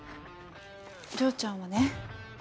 丈ちゃんはね